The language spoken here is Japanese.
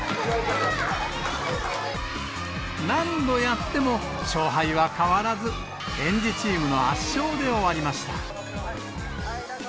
何度やっても勝敗は変わらず、園児チームの圧勝で終わりました。